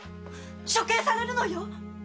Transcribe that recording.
処刑されるのよ‼